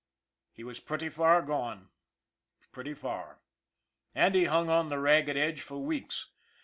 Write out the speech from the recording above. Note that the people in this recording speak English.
He was pretty far gone, pretty far and he hung on the ragged edge for weeks.